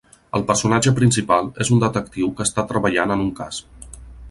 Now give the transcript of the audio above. El personatge principal és un detectiu que està treballant en un cas.